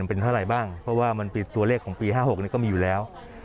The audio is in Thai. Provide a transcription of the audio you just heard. เป็นเท่าไหร่บ้างเพราะว่าตัวเลขของปี๕๖นี้ก็มีอยู่แล้ว